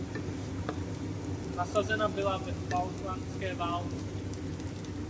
Nasazena byla ve falklandské válce.